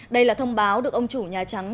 đây là thông báo được ông chủ nhà trắng